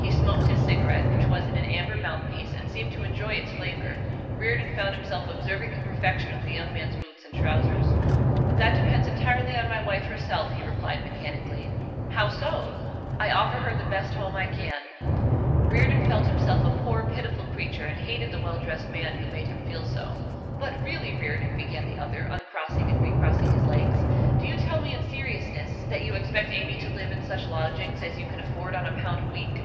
He smoked his cigarette, which was in an amber mouthpiece, and seemed to enjoy its flavour. Reardon found himself observing the perfection of the young man's boots and trousers. 'That depends entirely on my wife herself;' he replied mechanically. 'How so?' 'I offer her the best home I can.' Reardon felt himself a poor, pitiful creature, and hated the well dressed man who made him feel so. 'But really, Reardon,' began the other, uncrossing and recrossing his legs, 'do you tell me in seriousness that you expect Amy to live in such lodgings as you can afford on a pound a week?